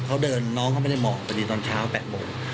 เขาเดินน้องเขาไม่ได้เหมาะพอดีตอนเช้า๘โมง